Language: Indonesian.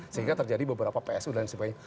sehingga terjadi beberapa psu dan sebagainya